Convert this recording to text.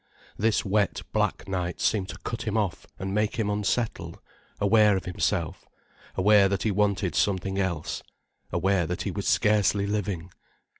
This wet, black night seemed to cut him off and make him unsettled, aware of himself, aware that he wanted something else, aware that he was scarcely living.